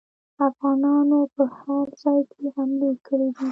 افغانانو په هر ځای کې حملې کړي دي.